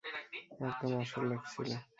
একদম আসল লাগছিল!